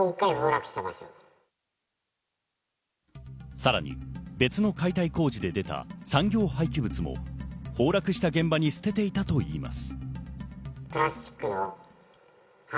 さらに別の解体工事で出た産業廃棄物も崩落した現場に捨てていたといいます。